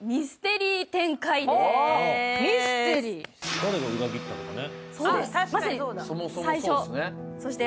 誰が裏切ったのかね、そもそも。